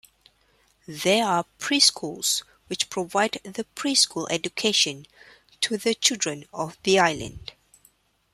There are pre-schools which provide the pre-school education to the children of the island.